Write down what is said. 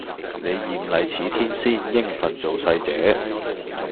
你艷麗似天仙應份做世姐